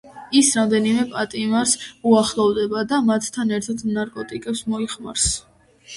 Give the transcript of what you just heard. ის რამდენიმე პატიმარს უახლოვდება და მათთან ერთად ნარკოტიკებს მოიხმარს.